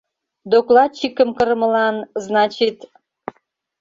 Докладчикым кырымылан, значит...